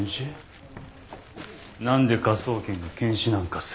なんで科捜研が検視なんかする？